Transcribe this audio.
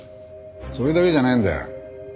それだけじゃねえんだよ。